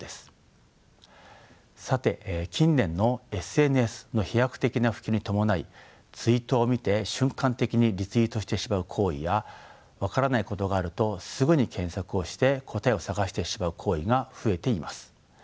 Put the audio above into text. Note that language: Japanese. さて近年のＳＮＳの飛躍的な普及に伴いツイートを見て瞬間的にリツイートしてしまう行為や分からないことがあるとすぐに検索をして答えを探してしまう行為が増えています。